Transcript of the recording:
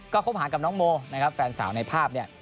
ก็คบหากับน้องโมนะครับแฟนสาวในภาพเนี่ย